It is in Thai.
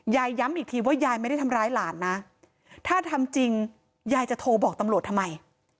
ย้ำอีกทีว่ายายไม่ได้ทำร้ายหลานนะถ้าทำจริงยายจะโทรบอกตำรวจทำไม